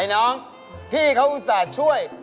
น้องพี่เขาอุตส่าห์ช่วย